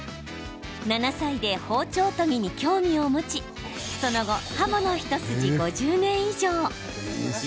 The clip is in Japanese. ７歳で包丁研ぎに興味を持ちその後、刃物一筋５０年以上。